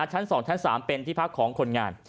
ชั้น๒ชั้น๓เป็นที่พักของคนงาน